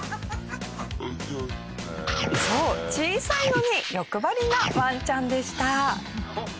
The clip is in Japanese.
そう小さいのに欲張りなワンちゃんでした。